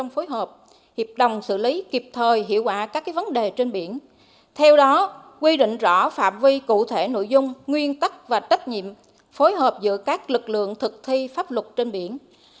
phối hợp giữa các lực lượng thực thi pháp luật trên biển